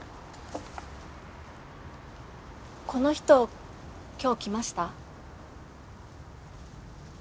この人今日来ました？